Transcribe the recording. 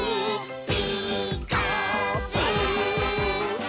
「ピーカーブ！」